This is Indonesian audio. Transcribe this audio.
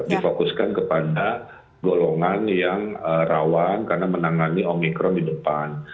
difokuskan kepada golongan yang rawan karena menangani omikron di depan